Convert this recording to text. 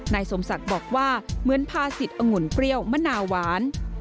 นายสมศักดิ์บอกว่าเหมือนภาษิตองุ่นเปรี้ยวมะนาวหวาน